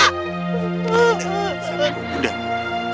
udah sabar ini sudah taklir